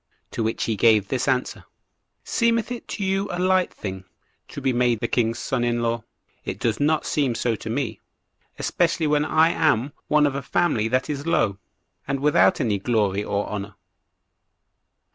To which he gave this answer:"Seemeth it to you a light thing to be made the king's son in law? It does not seem so to me, especially when I am one of a family that is low, and without any glory or honor."